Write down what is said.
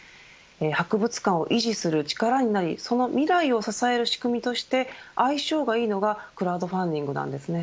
博物館を維持する力になりその未来を支える仕組みとして相性がいいのがクラウドファンディング